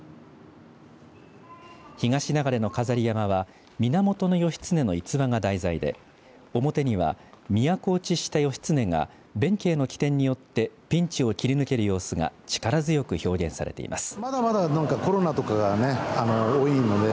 東流の飾り山笠は源義経の逸話が題材で表には都落ちした義経が弁慶の起点によってピンチを切り抜ける様子が力強く表現されています。